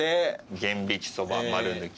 玄挽きそば丸抜き。